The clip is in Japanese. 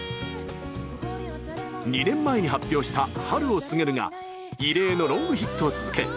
２年前に発表した「春を告げる」が異例のロングヒットを続け